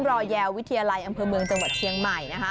รอแยววิทยาลัยอำเภอเมืองจังหวัดเชียงใหม่นะคะ